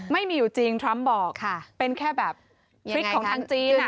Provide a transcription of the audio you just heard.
ไม่มีอยู่จริงทรัมป์บอกเป็นแค่แบบพริกของทางจีน